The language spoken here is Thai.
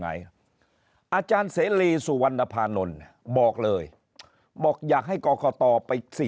อาจารย์เสรีสุวรรณภานนท์บอกเลยบอกอยากให้กรกตไป๔